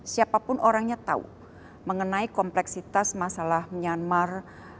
siapapun orangnya tahu mengenai kompleksitas masalah myanmar